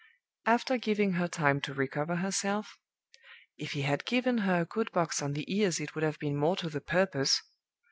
"After giving her time to recover herself (if he had given her a good box on the ears it would have been more to the purpose!)